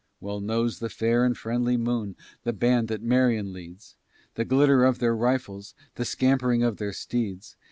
Well knows the fair and friendly moon The band that Marion leads The glitter of their rifles, The scampering of their steeds.